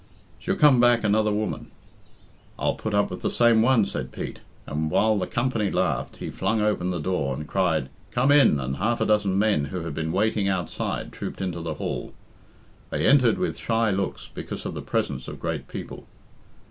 "She'll come back another woman." "I'll put up with the same one," said Pete; and, while the company laughed, he flung open the door, and cried "Come in!" and half a dozen men who had been waiting outside trooped into the hall. They entered with shy looks because of the presence of great people.